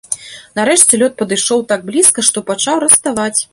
Нарэшце лёд падышоў так блізка, што пачаў раставаць.